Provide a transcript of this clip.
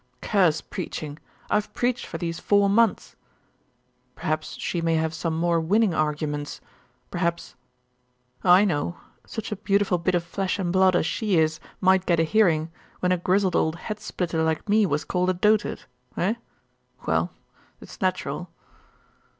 'Curse preaching. I have preached for these four months.' 'Perhaps she may have some more winning arguments perhaps ' 'I know. Such a beautiful bit of flesh and blood as she is might get a hearing, when a grizzled old head splitter like me was called a dotard. Eh? Well. It's natural.